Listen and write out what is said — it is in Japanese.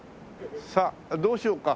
さあどうしようか。